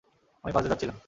আমি পাশ দিয়ে যাচ্ছিলাম।